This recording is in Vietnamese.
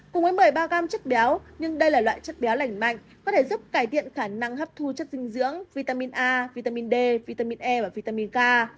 cùng với bảy mươi ba g chất béo nhưng đây là loại chất béo lành mạnh có thể giúp cải thiện khả năng hấp thu chất dinh dưỡng vitamin a vitamin d vitamin e và vitamin k